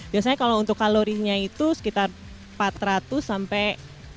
biasanya kalau untuk kalorinya itu sekitar empat ratus sampai